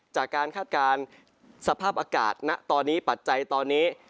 จากการคาดการสภาพอากาศตอนนี้ปัจจัยตอนนี้